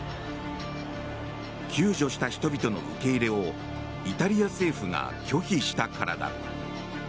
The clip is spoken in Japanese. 救助した人々の受け入れをイタリア政府が拒否したからだ。